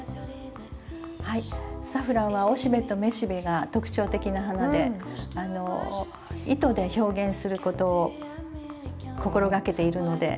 はいサフランは雄しべと雌しべが特徴的な花で糸で表現することを心がけているので。